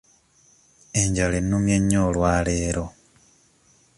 Enjala ennumye nnyo olwaleero.